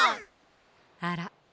あら？